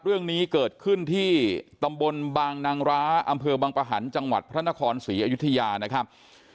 เรื่องนี้เกิดขึ้นที่ตำบลบางนางร้าอำเภอบังปะหันต์จังหวัดพระนครศรีอยุธยานะครับ